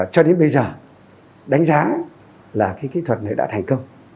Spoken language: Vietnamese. cho đến bây giờ đánh giá là cái kỹ thuật này đã thành công